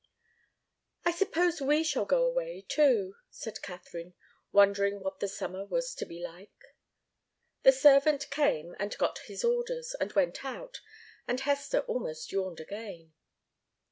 "I suppose we shall go away, too," said Katharine, wondering what the summer was to be like. The servant came, and got his orders, and went out, and Hester almost yawned again.